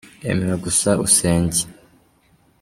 Emera gusa usenge.